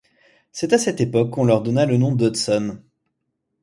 C'est à cette époque qu'on leur donna le nom dHudson.